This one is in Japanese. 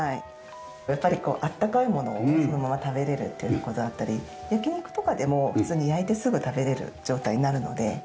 やっぱりあったかいものをそのまま食べられるっていう事だったり焼き肉とかでも普通に焼いてすぐ食べられる状態になるので。